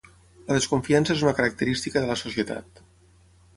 La desconfiança és una característica de la societat.